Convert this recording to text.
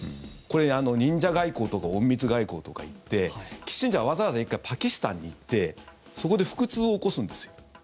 これ、忍者外交とか隠密外交とかいってキッシンジャーはわざわざ１回パキスタンに行ってそこで腹痛を起こすんですよ。